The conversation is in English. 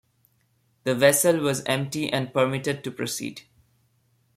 The vessel was empty and permitted to proceed.